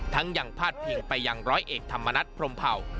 ยังพาดพิงไปยังร้อยเอกธรรมนัฐพรมเผ่า